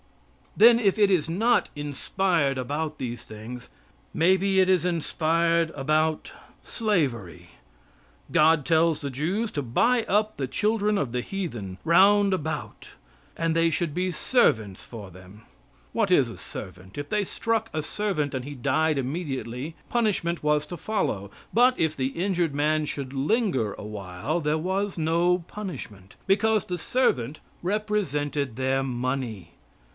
Then, if it is not inspired about these things, may be it is inspired about slavery. God tells the Jews to buy up the children of the heathen round about and they should be servants for them. What is a "servant?" If they struck a "servant" and he died immediately, punishment was to follow; but if the injured man should linger a while, there was no punishment, because the servant represented their money!